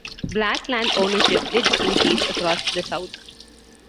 Black land ownership did increase across the South.